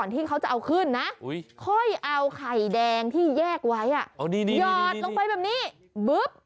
ตีก่อนตีไข่ขาวฟู